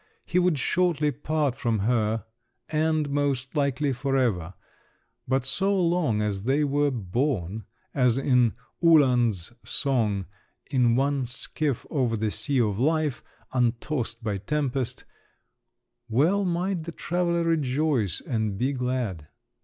He would shortly part from her and, most likely, for ever; but so long as they were borne, as in Uhland's song, in one skiff over the sea of life, untossed by tempest, well might the traveller rejoice and be glad.